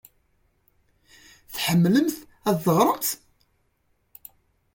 Tḥemmlemt ad teɣremt?